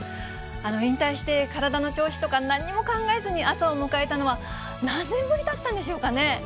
引退して体の調子とか、何も考えずに朝を迎えたのは、何年ぶりだったんでしょうかね。